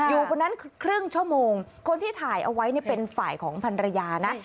อยู่คนนั้นครึ่งชั่วโมงคนที่ถ่ายเอาไว้เนี่ยเป็นฝ่ายของพันรยานะ